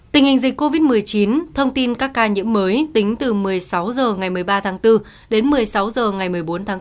tình hình dịch covid một mươi chín thông tin các ca nhiễm mới tính từ một mươi sáu h ngày một mươi ba tháng bốn đến một mươi sáu h ngày một mươi bốn tháng bốn